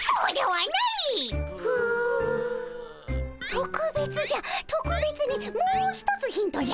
とくべつじゃとくべつにもう一つヒントじゃ。